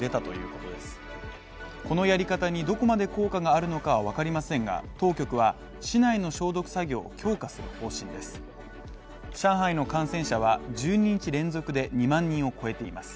このやり方にどこまで効果があるのかわかりませんが、当局は市内の消毒作業を強化する方針です。